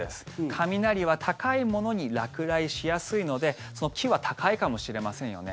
雷は高いものに落雷しやすいので木は高いかもしれませんよね。